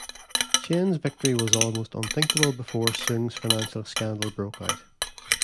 Chen's victory was almost unthinkable before Soong's financial scandal broke out.